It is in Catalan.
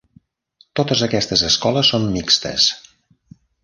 Totes aquestes escoles són mixtes.